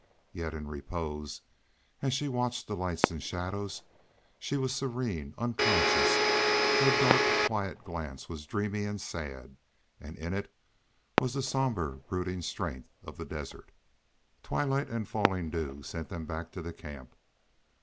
Yet in repose, as she watched the lights and shadows, she was serene, unconscious; her dark, quiet glance was dreamy and sad, and in it was the sombre, brooding strength of the desert. Twilight and falling dew sent them back to the camp.